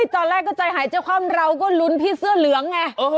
ตอนแรกก็ใจหายใจคว่ำเราก็ลุ้นพี่เสื้อเหลืองไง